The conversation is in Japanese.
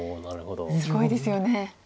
すごいですよね。